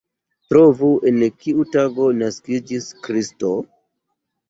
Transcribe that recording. Trovu, en kiu tago naskiĝis Kristo?